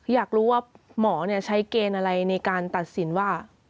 อยากรู้ว่าหมอใช้เกณฑ์อะไรในการตัดสินว่า